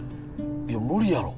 いや無理やろ。